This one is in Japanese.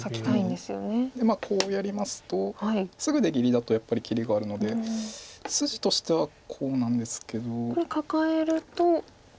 でまあこうやりますとすぐ出切りだとやっぱり切りがあるので筋としてはこうなんですけど。これカカえると。